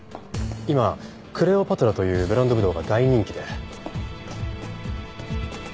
今クレオパトラというブランドぶどうが大人気で。